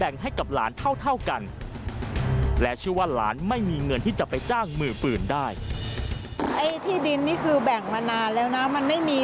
แบ่งให้กับหลานเท่ากันและชื่อว่าหลานไม่มีเงินที่จะไปจ้างมือปืนได้ไอ้ที่ดินนี่คือแบ่งมานานแล้วนะมันไม่มี